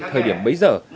thời điểm bấy giờ